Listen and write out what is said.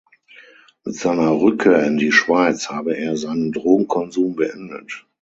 Mit seiner Rückkehr in die Schweiz habe er seinen Drogenkonsum beendet.